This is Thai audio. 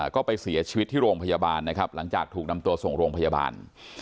ก็ไปเสียชีวิตที่โรงพยาบาลนะครับหลังจากถูกนำตัวส่งโรงพยาบาล